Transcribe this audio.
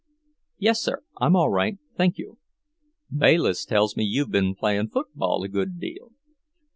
"Yes, sir. I'm all right, thank you." "Bayliss tells me you've been playing football a good deal."